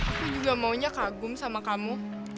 aku juga maunya kagum sama kamu